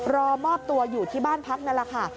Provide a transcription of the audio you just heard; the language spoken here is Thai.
รอมอบตัวอยู่ที่บ้านพักนั่นแหละค่ะ